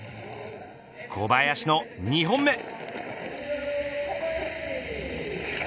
小林の２本目。